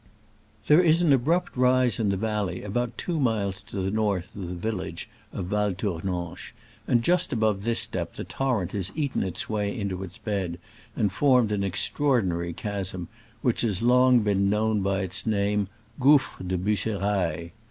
There is an abrupt rise in the valley about two miles to the north of the vil lage of Val Tournanche, and just above this step the torrent has eaten its way into its bed and formed an extraordi nary chasm, which has long been known by the name Gouffre des Busserailles.